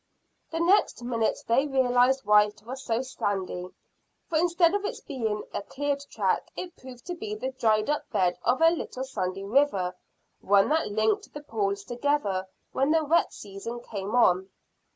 The next minute they realised why it was so sandy, for instead of its being a cleared track it proved to be the dried up bed of a little sandy river, one that linked the pools together when the wet season came on.